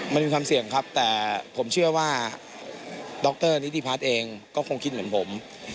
มันมีความเสี่ยงครับแต่ผมเชื่อว่าดรนิติพัฒน์เองก็คงคิดเหมือนผม